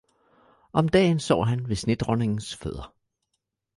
om dagen sov han ved snedronningens fødder.